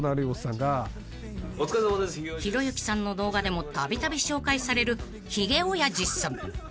［ひろゆきさんの動画でもたびたび紹介されるひげおやじさん］